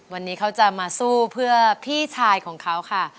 วันนี้เขาจะมาสู้เพื่อพี่ชายของเขาค่ะ